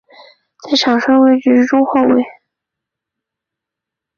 在场上的位置是中后卫。